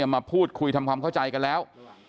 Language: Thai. มาพูดคุยทำความเข้าใจกันแล้ว